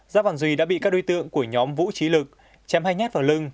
giáp văn duy đã bị các đối tượng của nhóm vũ trí lực chém hay nhét vào lưng